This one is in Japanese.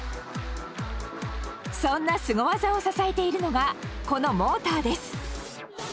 そんなすご技を支えているのがこのモーターです。